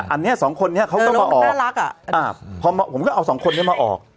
อันนี้สองคนนี้เขาก็มาออกพอผมก็เอาสองคนนี้มาออก